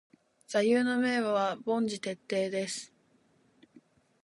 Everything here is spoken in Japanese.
座右の銘は凡事徹底です。